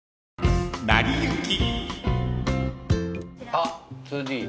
あっ２Ｄ。